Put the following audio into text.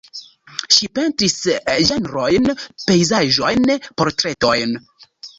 Ŝi pentris ĝenrojn, pejzaĝojn, portretojn.